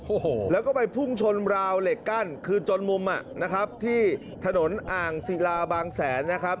โอ้โหแล้วก็ไปพุ่งชนราวเหล็กกั้นคือจนมุมอ่ะนะครับที่ถนนอ่างศิลาบางแสนนะครับ